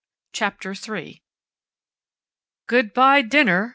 CHAPTER THREE "Good by, dinner!"